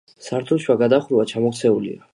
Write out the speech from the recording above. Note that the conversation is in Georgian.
სართულშუა გადახურვა ჩამოქცეულია.